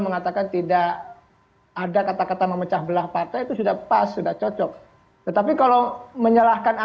mengatakan tidak ada kata kata memecah belah partai itu sudah pas sudah cocok tetapi kalau menyalahkan